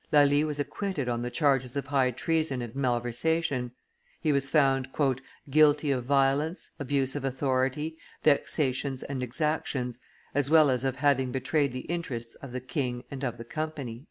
Lally was acquitted on the charges of high treason and malversation; he was found "guilty of violence, abuse of authority, vexations and exactions, as well as of having betrayed the interests of the king and of the Company."